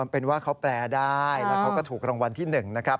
เป็นว่าเขาแปลได้แล้วเขาก็ถูกรางวัลที่๑นะครับ